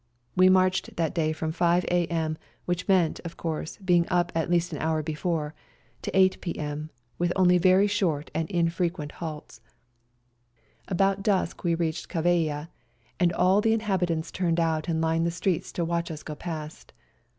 We marched that day from 5 a.m., which meant, of course, being up at least an hour before, to 8 p.m., with only very short and infrequent halts. 166 ELBASAN About dusk we reached Kavaia, and all the inhabitants turned out and lined the streets to watch us go past.